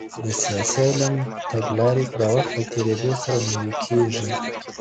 د سياسي علم تګلاري د وخت له تېرېدو سره نوې کېږي.